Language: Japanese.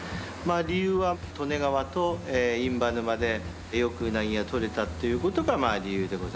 理由は利根川と印旛沼でよくうなぎが取れたっていう事が理由でございまして。